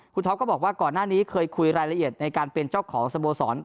คุณท็อปก็บอกว่าก่อนหน้านี้เคยคุยรายละเอียดในการเป็นเจ้าของสโมสร